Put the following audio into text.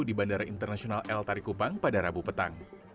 di bandara internasional el tarikupang pada rabu petang